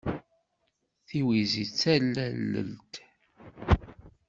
Tiwizi d tallelt.